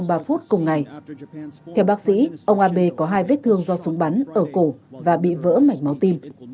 trước cùng ngày theo bác sĩ ông abe có hai vết thương do súng bắn ở cổ và bị vỡ mảnh máu tim